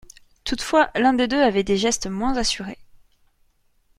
Toutefois, l’un des deux avait des gestes moins assurés.